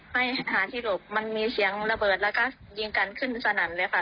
ที่เหลิกมันมีเสียงระเบิดและก็ยิงกันขึ้นสนันเลยค่ะ